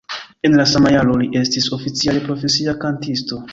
En la sama jaro li estis oficiale profesia kantisto.